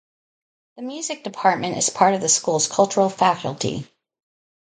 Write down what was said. The Music Department is part of the school's Cultural Faculty.